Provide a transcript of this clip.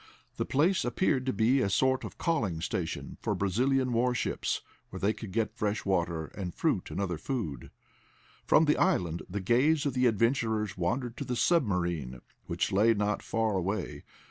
The place appeared to be a sort of calling station for Brazilian warships, where they could get fresh water and fruit and other food. From the island the gaze of the adventurers wandered to the submarine, which lay not far away.